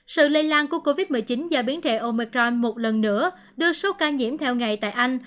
sự lây lan của covid một mươi chín do biến thể omicron một lần nữa đưa số ca nhiễm theo ngày tại anh